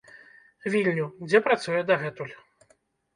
Вільню, дзе працуе дагэтуль.